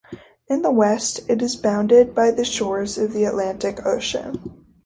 In the west, it is bounded by the shores of the Atlantic Ocean.